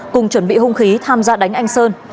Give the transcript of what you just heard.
cùng chuẩn bị hung khí tham gia đánh anh sơn